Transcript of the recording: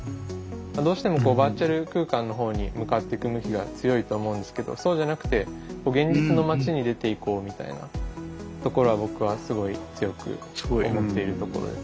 どうしてもバーチャル空間の方に向かってく向きが強いと思うんですけどそうじゃなくてこう現実の街に出ていこうみたいなところは僕はすごい強く思っているところです。